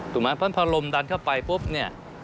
สมมติว่าพอลมดันเข้าไปปุ๊บเนี่ย